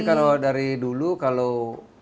kalau dari dulu kalau